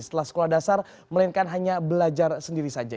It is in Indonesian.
setelah sekolah dasar melainkan hanya belajar sendiri saja